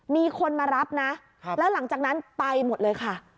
มีคนมารับนะแล้วหลังจากนั้นไปหมดเลยค่ะ